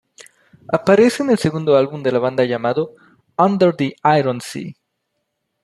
Aparece en el segundo álbum de la banda llamado Under the Iron Sea.